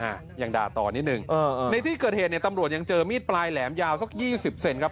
อ่ะยังด่าต่อนิดนึงเออในที่เกิดเหตุเนี่ยตำรวจยังเจอมีดปลายแหลมยาวสักยี่สิบเซนครับ